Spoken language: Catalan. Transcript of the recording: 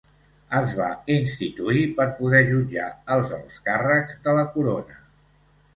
Es va instituir per poder jutjar els alts càrrecs de la Corona.